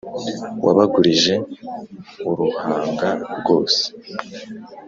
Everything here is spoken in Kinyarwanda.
wabagaruje uruhanga rwose